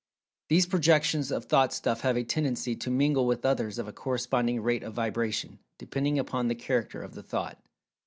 These projections of Thought stuff have a tendency to mingle with others of a corresponding rate of vibration (depending upon the character of the thought.)